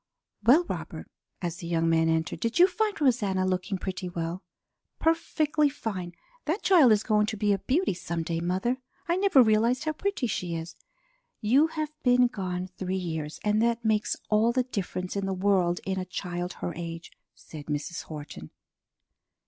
Well, Robert," as the young man entered, "did you find Rosanna looking pretty well?" "Perfectly fine! That child is going to be a beauty some day, mother. I never realized how pretty she is." "You have been gone three years, and that makes all the difference in the world in a child her age," said Mrs. Horton.